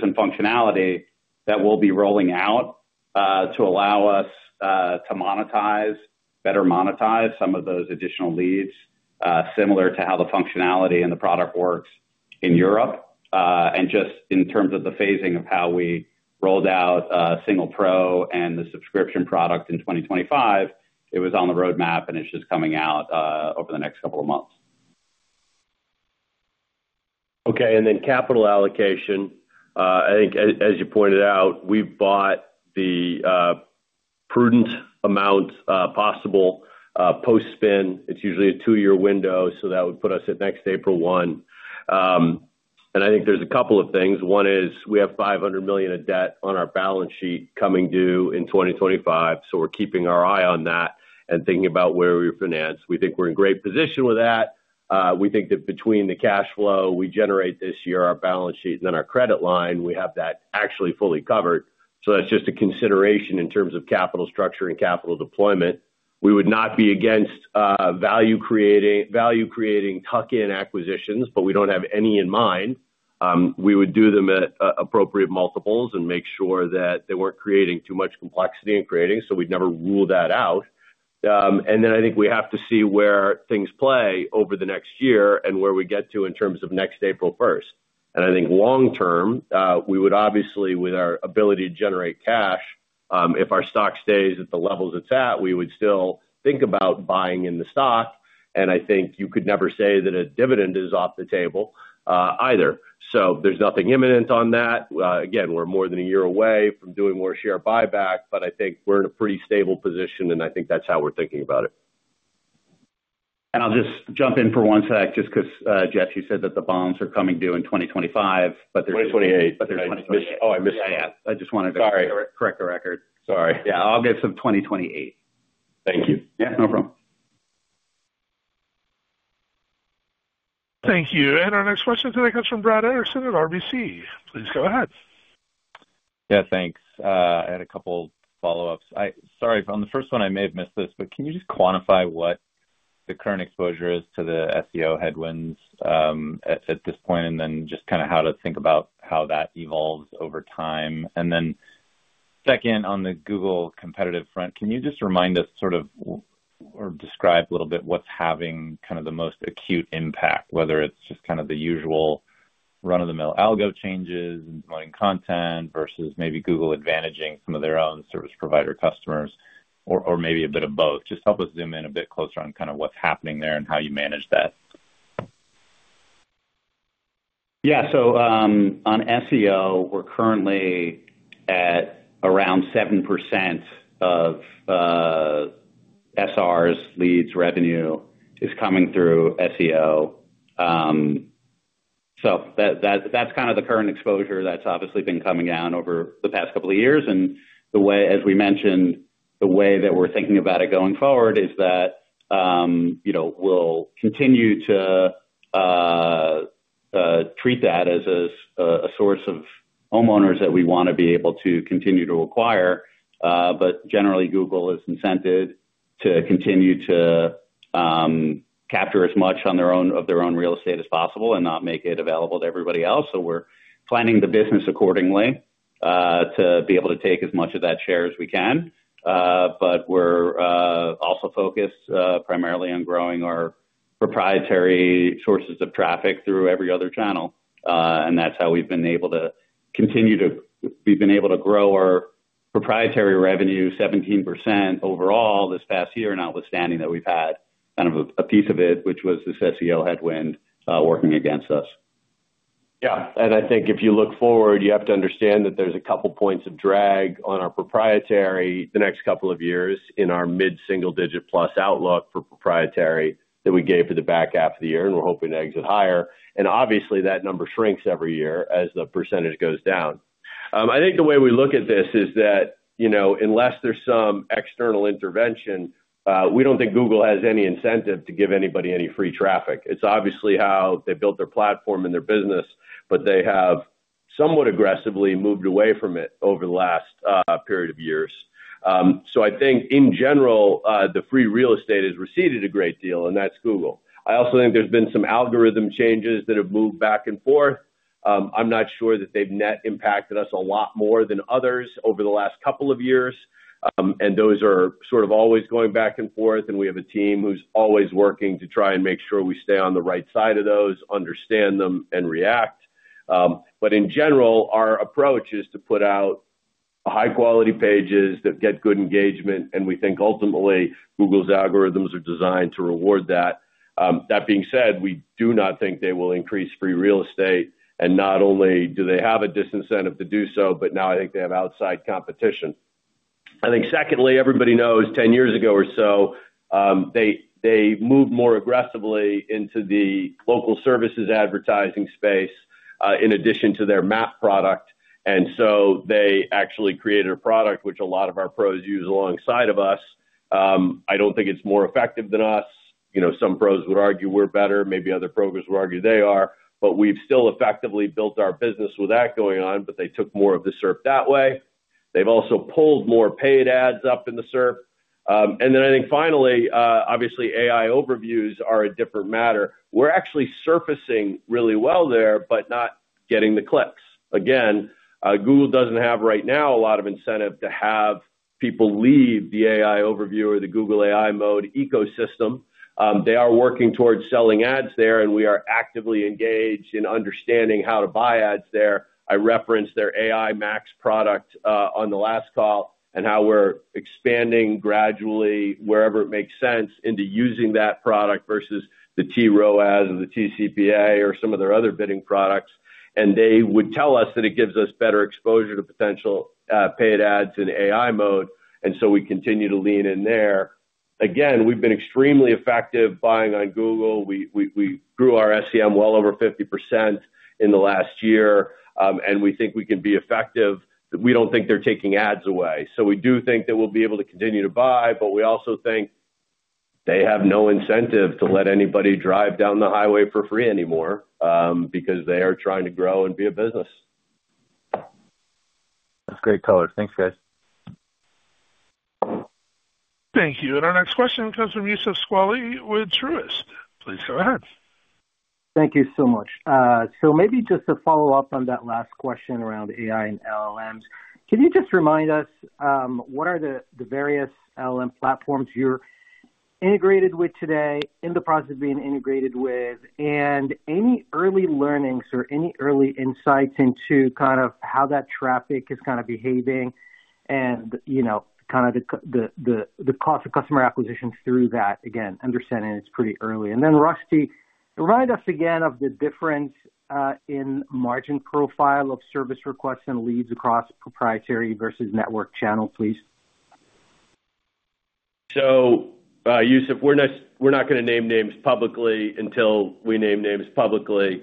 [SPEAKER 2] and functionality that will be rolling out to allow us to monetize, better monetize some of those additional leads, similar to how the functionality and the product works in Europe. Just in terms of the phasing of how we rolled out single pro and the subscription product in 2025, it was on the roadmap, and it's just coming out over the next couple of months.
[SPEAKER 3] Okay. Then capital allocation, I think as you pointed out, we've bought the prudent amount possible post-spin. It's usually a two-year window. So that would put us at next April one And I think there's a couple of things. One is we have $500 million of debt on our balance sheet coming due in 2025. So we're keeping our eye on that and thinking about where we finance. We think we're in great position with that. We think that between the cash flow we generate this year, our balance sheet, and then our credit line, we have that actually fully covered. So that's just a consideration in terms of capital structure and capital deployment. We would not be against value-creating tuck-in acquisitions, but we don't have any in mind. We would do them at appropriate multiples and make sure that they weren't creating too much complexity and creating. So we'd never rule that out. And then I think we have to see where things play over the next year and where we get to in terms of next April first. And I think long-term, we would obviously, with our ability to generate cash, if our stock stays at the levels it's at, we would still think about buying in the stock. And I think you could never say that a dividend is off the table either. So there's nothing imminent on that. Again, we're more than a year away from doing more share buyback. But I think we're in a pretty stable position, and I think that's how we're thinking about it.
[SPEAKER 2] I'll just jump in for one sec just because, Jeff, you said that the bonds are coming due in 2025, but there's.
[SPEAKER 3] 2028.
[SPEAKER 2] But there's 2028.
[SPEAKER 3] Oh, I missed it.
[SPEAKER 2] Yeah, yeah. I just wanted to.
[SPEAKER 3] Sorry.
[SPEAKER 2] Correct the record.
[SPEAKER 3] Sorry.
[SPEAKER 2] Yeah. I'll get some 2028.
[SPEAKER 3] Thank you.
[SPEAKER 2] Yeah. No problem.
[SPEAKER 1] Thank you. Our next question today comes from Brad Erickson at RBC. Please go ahead.
[SPEAKER 9] Yeah. Thanks. I had a couple follow-ups. Sorry. On the first one, I may have missed this, but can you just quantify what the current exposure is to the SEO headwinds at this point and then just kind of how to think about how that evolves over time? And then second, on the Google competitive front, can you just remind us sort of or describe a little bit what's having kind of the most acute impact, whether it's just kind of the usual run-of-the-mill algo changes and promoting content versus maybe Google advantaging some of their own service provider customers or maybe a bit of both? Just help us zoom in a bit closer on kind of what's happening there and how you manage that.
[SPEAKER 2] Yeah. So on SEO, we're currently at around 7% of SRs, leads, revenue is coming through SEO. So that's kind of the current exposure that's obviously been coming down over the past couple of years. And as we mentioned, the way that we're thinking about it going forward is that we'll continue to treat that as a source of homeowners that we want to be able to continue to acquire. But generally, Google is incented to continue to capture as much of their own real estate as possible and not make it available to everybody else. So we're planning the business accordingly to be able to take as much of that share as we can. But we're also focused primarily on growing our proprietary sources of traffic through every other channel. And that's how we've been able to continue to grow our proprietary revenue 17% overall this past year, notwithstanding that we've had kind of a piece of it, which was this SEO headwind working against us.
[SPEAKER 3] Yeah. And I think if you look forward, you have to understand that there's a couple points of drag on our proprietary the next couple of years in our mid-single-digit-plus outlook for proprietary that we gave for the back half of the year. And we're hoping to exit higher. And obviously, that number shrinks every year as the percentage goes down. I think the way we look at this is that unless there's some external intervention, we don't think Google has any incentive to give anybody any free traffic. It's obviously how they built their platform and their business, but they have somewhat aggressively moved away from it over the last period of years. So I think, in general, the free real estate has receded a great deal, and that's Google. I also think there's been some algorithm changes that have moved back and forth. I'm not sure that they've net impacted us a lot more than others over the last couple of years. And those are sort of always going back and forth. And we have a team who's always working to try and make sure we stay on the right side of those, understand them, and react. But in general, our approach is to put out high-quality pages that get good engagement. And we think ultimately, Google's algorithms are designed to reward that. That being said, we do not think they will increase free real estate. And not only do they have a disincentive to do so, but now I think they have outside competition. I think secondly, everybody knows 10 years ago or so, they moved more aggressively into the local services advertising space in addition to their map product. And so they actually created a product, which a lot of our pros use alongside of us. I don't think it's more effective than us. Some pros would argue we're better. Maybe other programs would argue they are. But we've still effectively built our business with that going on, but they took more of the SERP that way. They've also pulled more paid ads up in the SERP. And then I think finally, obviously, AI Overviews are a different matter. We're actually surfacing really well there but not getting the clicks. Again, Google doesn't have right now a lot of incentive to have people leave the AI overview or the Google AI mode ecosystem. They are working towards selling ads there, and we are actively engaged in understanding how to buy ads there. I referenced their AI Max product on the last call and how we're expanding gradually wherever it makes sense into using that product versus the tROAS or the tCPA or some of their other bidding products. And they would tell us that it gives us better exposure to potential paid ads in AI mode. And so we continue to lean in there. Again, we've been extremely effective buying on Google. We grew our SEM well over 50% in the last year. And we think we can be effective. We don't think they're taking ads away. So we do think that we'll be able to continue to buy. But we also think they have no incentive to let anybody drive down the highway for free anymore because they are trying to grow and be a business.
[SPEAKER 9] That's great color. Thanks, guys.
[SPEAKER 1] Thank you. Our next question comes from Youssef Squali with Truist. Please go ahead.
[SPEAKER 10] Thank you so much. Maybe just to follow up on that last question around AI and LLMs, can you just remind us what are the various LLM platforms you're integrated with today, in the process of being integrated with, and any early learnings or any early insights into kind of how that traffic is kind of behaving and kind of the cost of customer acquisition through that, again, understanding it's pretty early? Then Russi, remind us again of the difference in margin profile of service requests and leads across proprietary versus network channel, please.
[SPEAKER 3] So Youssef, we're not going to name names publicly until we name names publicly.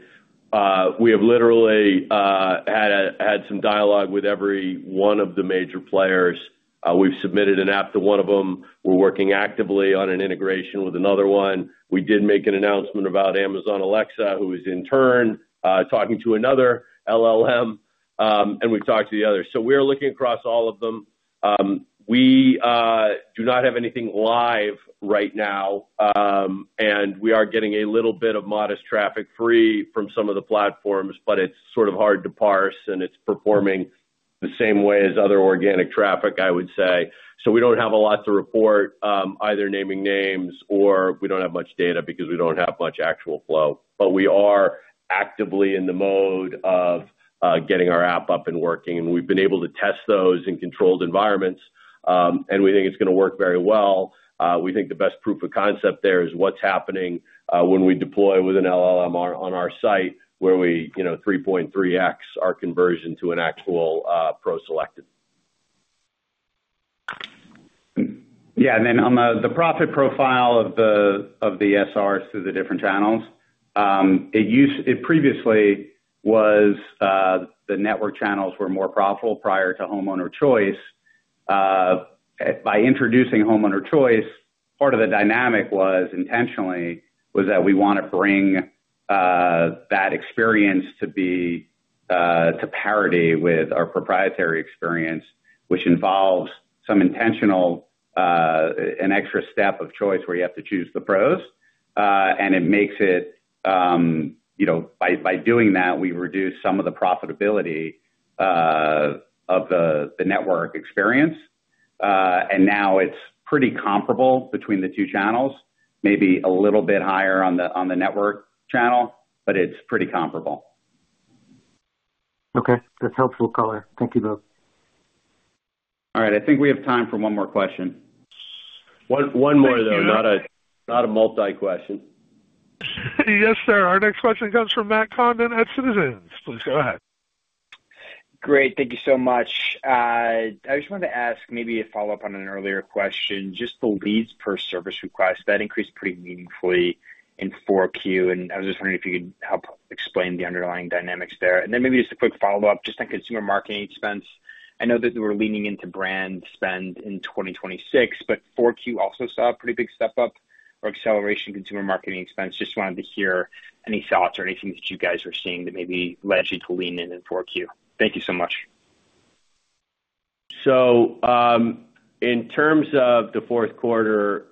[SPEAKER 3] We have literally had some dialogue with every one of the major players. We've submitted an app to one of them. We're working actively on an integration with another one. We did make an announcement about Amazon Alexa, who is in turn talking to another LLM. And we've talked to the others. So we are looking across all of them. We do not have anything live right now. And we are getting a little bit of modest traffic free from some of the platforms, but it's sort of hard to parse. And it's performing the same way as other organic traffic, I would say. So we don't have a lot to report, either naming names or we don't have much data because we don't have much actual flow. We are actively in the mode of getting our app up and working. We've been able to test those in controlled environments. We think it's going to work very well. We think the best proof of concept there is what's happening when we deploy with an LLM on our site where we 3.3x our conversion to an actual pro selected.
[SPEAKER 2] Yeah. And then on the profit profile of the SRs through the different channels, it previously was the network channels were more profitable prior to Homeowner Choice. By introducing Homeowner Choice, part of the dynamic intentionally was that we want to bring that experience to parity with our proprietary experience, which involves some intentional, an extra step of choice where you have to choose the pros. And it makes it by doing that, we reduce some of the profitability of the network experience. And now it's pretty comparable between the two channels, maybe a little bit higher on the network channel, but it's pretty comparable.
[SPEAKER 10] Okay. That's helpful color. Thank you both.
[SPEAKER 2] All right. I think we have time for one more question.
[SPEAKER 3] One more, though. Not a multi-question.
[SPEAKER 1] Yes, sir. Our next question comes from Matt Condon at Citizens. Please go ahead.
[SPEAKER 11] Great. Thank you so much. I just wanted to ask maybe a follow-up on an earlier question, just the leads per service request. That increased pretty meaningfully in 4Q. And I was just wondering if you could help explain the underlying dynamics there. And then maybe just a quick follow-up just on consumer marketing expense. I know that we're leaning into brand spend in 2026, but 4Q also saw a pretty big step-up or acceleration in consumer marketing expense. Just wanted to hear any thoughts or anything that you guys were seeing that maybe led you to lean in in 4Q. Thank you so much.
[SPEAKER 3] In terms of the fourth quarter,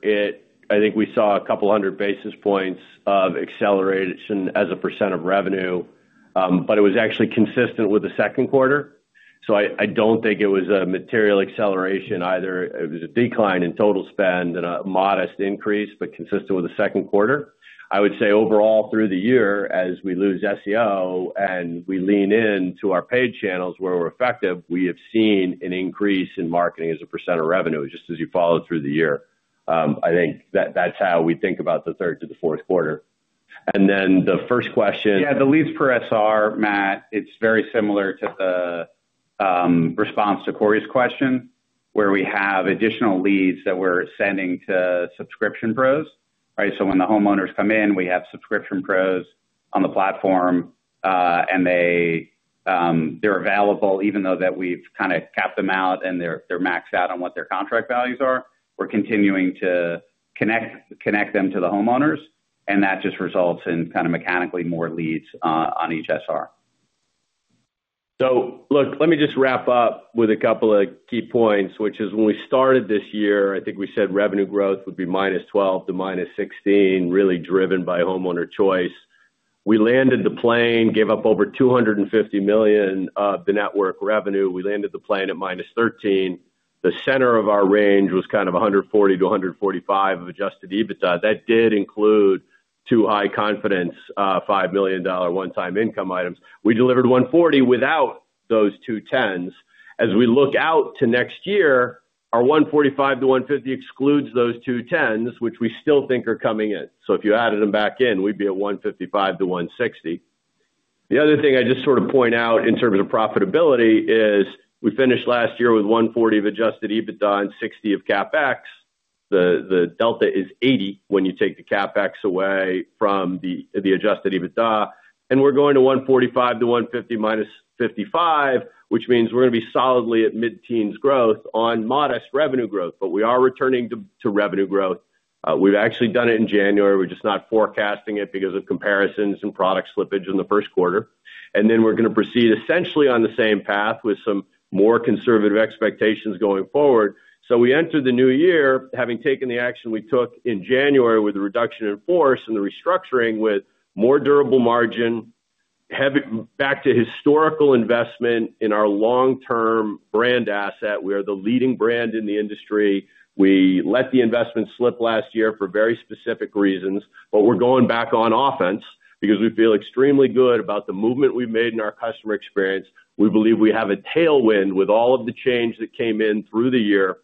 [SPEAKER 3] I think we saw 200 basis points of acceleration as a percent of revenue. It was actually consistent with the second quarter. I don't think it was a material acceleration either. It was a decline in total spend and a modest increase, but consistent with the second quarter. I would say overall, through the year, as we lose SEO and we lean into our paid channels where we're effective, we have seen an increase in marketing as a percent of revenue just as you follow through the year. I think that's how we think about the third to the fourth quarter. Then the first question.
[SPEAKER 2] Yeah. The leads per SR, Matt, it's very similar to the response to Cory's question where we have additional leads that we're sending to subscription pros, right? So when the homeowners come in, we have subscription pros on the platform. And they're available even though that we've kind of capped them out and they're maxed out on what their contract values are. We're continuing to connect them to the homeowners. And that just results in kind of mechanically more leads on each SR.
[SPEAKER 3] So look, let me just wrap up with a couple of key points, which is when we started this year, I think we said revenue growth would be -12% to -16%, really driven by Homeowner Choice. We landed the plane, gave up over $250 million of the network revenue. We landed the plane at -13%. The center of our range was kind of $140 million-$145 million of Adjusted EBITDA. That did include two high-confidence $5 million one-time income items. We delivered $140 million without those two 10s. As we look out to next year, our $145 million-$150 million excludes those two 10s, which we still think are coming in. So if you added them back in, we'd be at $155 million-$160 million. The other thing I just sort of point out in terms of profitability is we finished last year with $140 million of Adjusted EBITDA and $60 million of CapEx. The delta is $80 million when you take the CapEx away from the Adjusted EBITDA. And we're going to $145 million-$150 million minus $55 million, which means we're going to be solidly at mid-teens growth on modest revenue growth. But we are returning to revenue growth. We've actually done it in January. We're just not forecasting it because of comparisons and product slippage in the first quarter. And then we're going to proceed essentially on the same path with some more conservative expectations going forward. So we entered the new year having taken the action we took in January with the reduction in force and the restructuring with more durable margin, back to historical investment in our long-term brand asset. We are the leading brand in the industry. We let the investment slip last year for very specific reasons. But we're going back on offense because we feel extremely good about the movement we've made in our customer experience. We believe we have a tailwind with all of the change that came in through the year.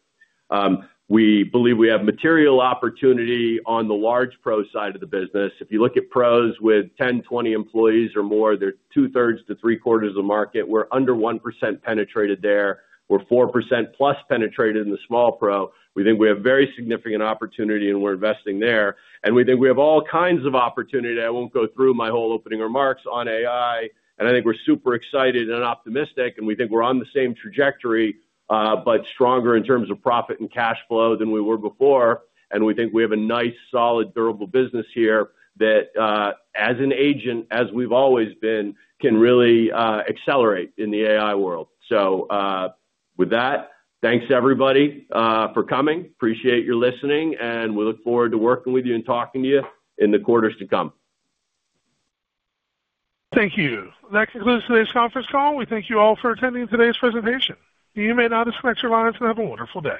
[SPEAKER 3] We believe we have material opportunity on the large pro side of the business. If you look at pros with 10, 20 employees or more, they're two-thirds to three-quarters of the market. We're under 1% penetrated there. We're 4%+ penetrated in the small pro. We think we have very significant opportunity, and we're investing there. And we think we have all kinds of opportunity. I won't go through my whole opening remarks on AI. And I think we're super excited and optimistic. We think we're on the same trajectory but stronger in terms of profit and cash flow than we were before. We think we have a nice, solid, durable business here that, as an agent, as we've always been, can really accelerate in the AI world. So with that, thanks, everybody, for coming. Appreciate your listening. We look forward to working with you and talking to you in the quarters to come.
[SPEAKER 1] Thank you. That concludes today's conference call. We thank you all for attending today's presentation. You may now disconnect your lines and have a wonderful day.